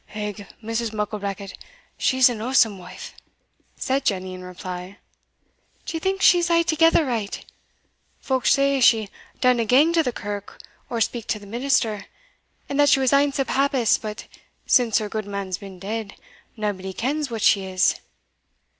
"Hegh, Mrs. Mucklebackit, she's an awsome wife!" said Jenny in reply. "D'ye think she's a'thegither right? Folk say she downa gang to the kirk, or speak to the minister, and that she was ance a papist but since her gudeman's been dead, naebody kens what she is.